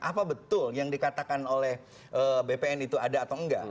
apa betul yang dikatakan oleh bpn itu ada atau enggak